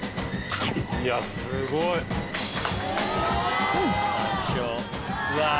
いやすごい・楽勝うわ。